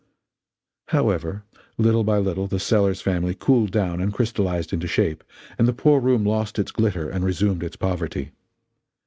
However, little by little the Sellers family cooled down and crystalized into shape, and the poor room lost its glitter and resumed its poverty.